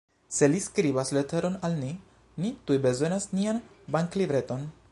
Se li skribas leteron al ni, ni tuj bezonas nian banklibreton.